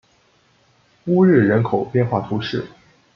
乌日人口变化图示